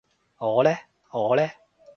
我呢我呢？